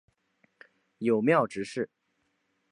友庙执事。